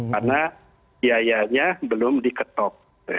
karena biayanya belum diketok